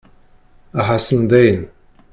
Ahasan dayen!